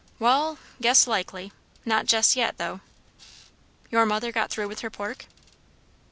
"Wall guess likely. Not jes' yet, though." "Your mother got through with her pork?"